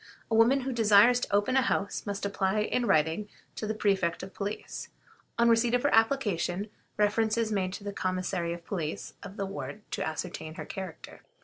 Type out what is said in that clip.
A woman who desires to open a house must apply in writing to the Prefect of Police. On receipt of her application, reference is made to the Commissary of Police of the ward to ascertain her character.